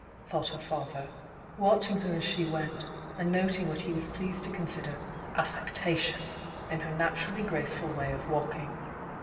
thought her fa ther, watching her as she went, and noting what he was pleased to consider "affectation" in her natur ally graceful way of walking.